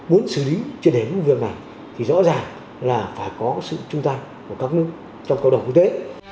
muốn xử lý trên đếm việc này thì rõ ràng là phải có sự trung tăng của các nước trong cộng đồng quốc tế